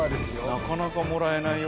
なかなかもらえないよ